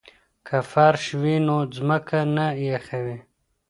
که فرش وي نو ځمکه نه یخوي.